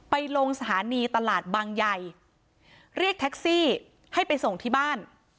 ลงสถานีตลาดบางใหญ่เรียกแท็กซี่ให้ไปส่งที่บ้าน